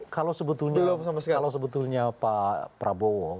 kalau sebetulnya pak prabowo